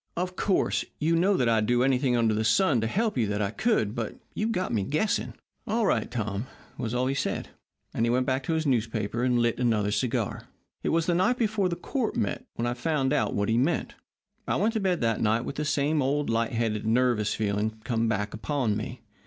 'Of course, you know that I'd do anything under the sun to help you that I could. But you've got me guessing.' "'All right, Tom,' was all he said, and he went back to his newspaper and lit another cigar. "It was the night before court met when I found out what he meant. I went to bed that night with that same old, light headed, nervous feeling come back upon me.